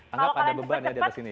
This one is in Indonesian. anggap ada beban ya di atas ini